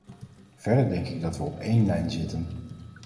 Verder denk ik dat we op één lijn zitten.